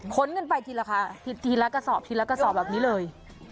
ค้นกันไปทีละค่ะทีละกระสอบทีละกระสอบแบบนี้เลย